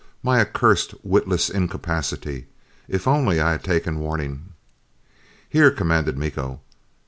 My accursed, witless incapacity! If only I had taken warning! "Here," commanded Miko.